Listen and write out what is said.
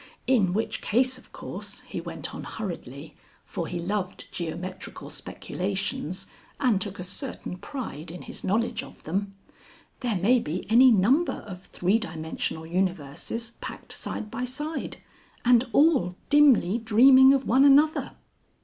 In which case, of course," he went on hurriedly for he loved geometrical speculations and took a certain pride in his knowledge of them "there may be any number of three dimensional universes packed side by side, and all dimly dreaming of one another.